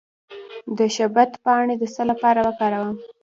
د شبت پاڼې د څه لپاره وکاروم؟